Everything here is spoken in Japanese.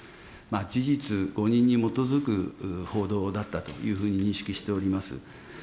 事実誤認に基づく報道だったというふうに認識しております。